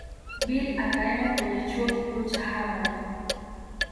Bill akaenda kwenye Chuo Kikuu cha Harvard.